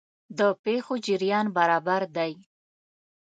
د پېښو جریان برابر دی.